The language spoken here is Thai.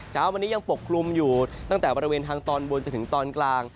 เช้าวันนี้ยังปกคลุมอยู่ตั้งแต่บริเวณทางตอนบนจนถึงตอนกลาง